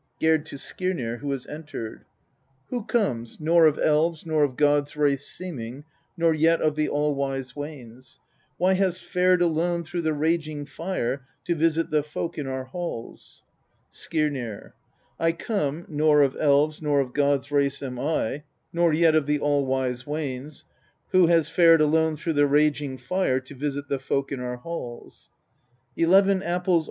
Gerd to Skirnir (who has entered). 17. Who comes, nor of elves' nor of gods' race seeming, nor yet of the all wise Wanes ? why hast fared alone through the raging fire to visit the folk in our hails ? Skirnir. 18. I come, nor of elves' nor of gods' race am I, nor yet of the all wise Wanes ; yet have I fared through the raging fire to visit the folk in your halls. 16. Slayer of my brother.